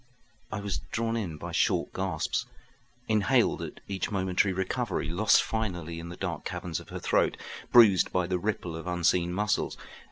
I was drawn in by short gasps, inhaled at each momentary recovery, lost finally in the dark caverns of her throat, bruised by the ripple of unseen muscles.